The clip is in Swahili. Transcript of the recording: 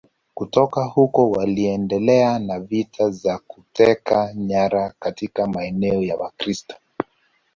Kutoka huko waliendelea na vita za kuteka nyara katika maeneo ya Wakristo.